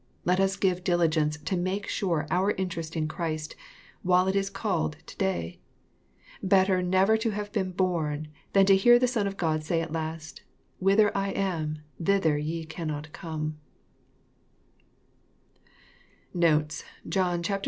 . Let us give diligence to make sure our interest in Christ, while it is called to day. Better never have been born than hear the Son of God say at last, '^ Where I am thither ye cannot come /*» Notes.